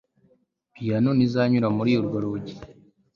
Piyano ntizanyura muri urwo rugi